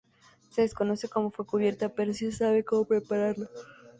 Se desconoce cómo fue descubierta, pero sí se sabe como prepararla.